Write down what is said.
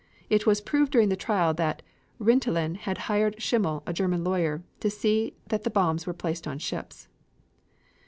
It was proved during the trial that Rintelen had hired Schimmel, a German lawyer, to see that bombs were placed on ships.